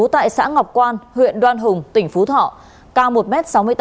tại xã ngọc quan huyện đoan hùng tỉnh phú thọ cao một m sáu mươi tám